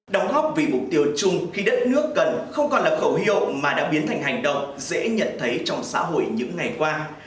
đóng góp vì mục tiêu chung khi đất nước cần không còn là khẩu hiệu mà đã biến thành hành động dễ nhận thấy trong xã hội những ngày qua